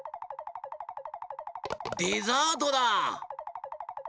デザートだ！